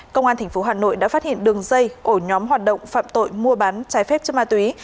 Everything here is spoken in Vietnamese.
công an tp hà nội đã phát hiện đường dây ổ nhóm hoạt động phạm tội mua bán trái phép chất ma túy